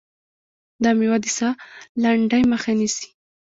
دا مېوه د ساه لنډۍ مخه نیسي.